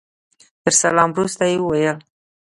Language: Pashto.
تر سلام وروسته يې وويل.